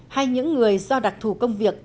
hay những người do đặc thù công việc